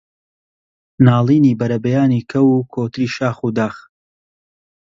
ناڵینی بەربەیانی کەو و کۆتری شاخ و داخ